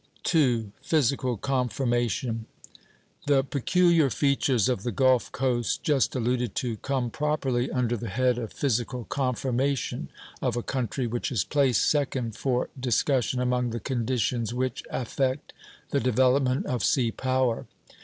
II. Physical Conformation. The peculiar features of the Gulf coast, just alluded to, come properly under the head of Physical Conformation of a country, which is placed second for discussion among the conditions which affect the development of sea power.